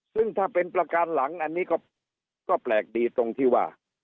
ซึ่งถ้าเป็นประการหลังอันนี้ก็แปลกดีตรงที่ว่า